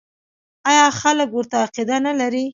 آیا خلک ورته عقیده نلري؟